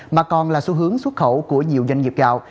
mà còn là xu hướng xuất khẩu của nhiều doanh nghiệp gạo